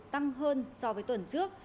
tăng hơn so với tuần trước